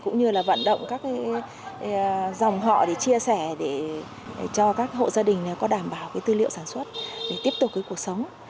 cũng như là vận động các dòng họ để chia sẻ để cho các hộ gia đình có đảm bảo tư liệu sản xuất để tiếp tục với cuộc sống